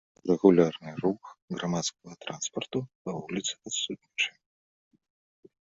Рэгулярны рух грамадскага транспарту па вуліцы адсутнічае.